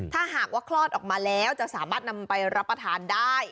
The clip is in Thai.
ถ้าหากว่าคลอดออกมาแล้วจะสามารถนำไปรับประทานได้